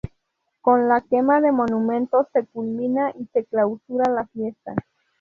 Con la quema de los monumentos se culmina y se clausura la fiesta.